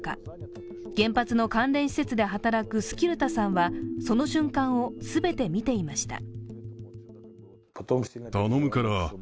原発の関連施設で働くスキルタさんはその瞬間を全て見ていました。